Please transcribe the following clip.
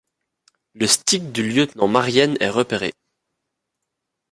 Le stick du lieutenant Marienne est repéré.